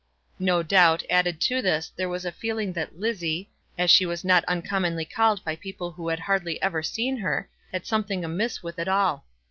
No doubt, added to this there was a feeling that "Lizzie," as she was not uncommonly called by people who had hardly ever seen her, had something amiss with it all.